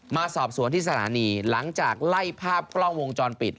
มาสอบสวนที่สถานีหลังจากไล่ภาพกล้องวงจรปิด